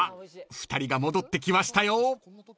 ２人が戻ってきましたよ］